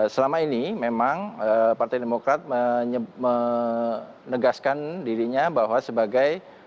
selama ini memang partai demokrat menegaskan dirinya bahwa sebagai